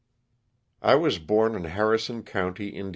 T WAS born in Harrison county, Ind.